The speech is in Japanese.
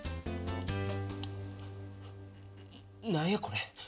何やこれ。